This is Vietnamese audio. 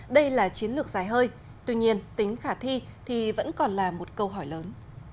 đây là chiến lược dài hơi tuy nhiên tính khả thi thì vẫn còn là một câu hỏi lớn